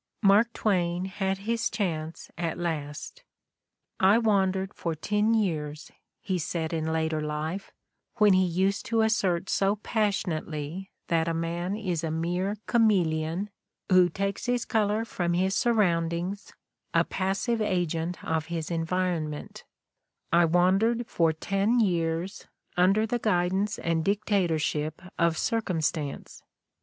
Mark Twain had his chance at last ! "I wandered for ten years'," he said in later life, when he used to assert so passionately that man is a mere chameleon, who takes his color from his surroundings, a passive agent of his environment, "I wandered for ten years, under the guidance and dictatorship of Circumstance.